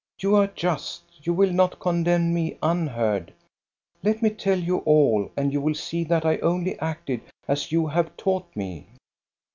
You are just, you will not condemn me un heard. Let me tell you all, and you will see that I only acted as you have taught me."